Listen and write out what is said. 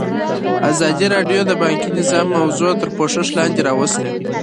ازادي راډیو د بانکي نظام موضوع تر پوښښ لاندې راوستې.